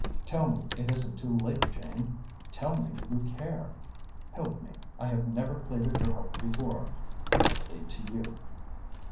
Tell me it isn't too late, Jane? Tell me you care? Help me. I have never pleaded for help before. I plead to you."